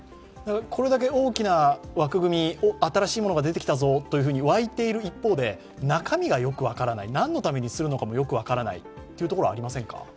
これだけ大きな枠組みを新しいものが出てきたぞと沸いている一方で、中身がよく分からない、何のするためにするのか分からないというところもありませんか。